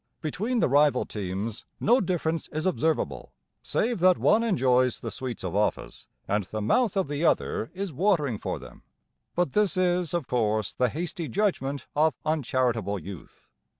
Between the rival teams no difference is observable, save that one enjoys the sweets of office and the mouth of the other is watering for them. But this is, of course, the hasty judgment of uncharitable youth.